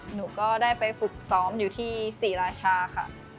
หนูก็ได้ไปฝึกซ้อมอยู่ที่ศรีราชาค่ะ